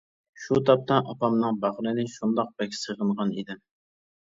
شۇ تاپتا ئاپامنىڭ باغرىنى شۇنداق بەك سېغىنغان ئىدىم.